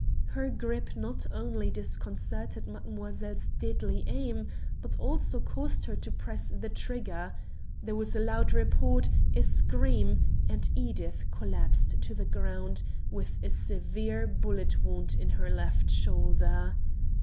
Her grip not only disconcerted Mademoiselle's deadly aim, but also caused her to press the trigger. There was a loud report, a scream, and Edith collapsed to the ground with a severe bullet wound in her left shoulder.